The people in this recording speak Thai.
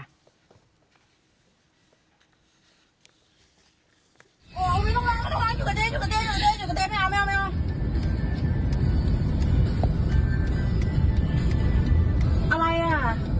อะไรอ่ะ